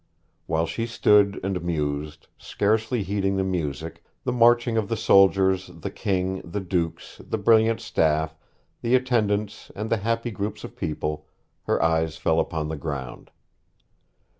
While she stood and mused, scarcely heeding the music, the marching of the soldiers, the King, the dukes, the brilliant staff, the attendants, and the happy groups of people, her eyes fell upon the ground.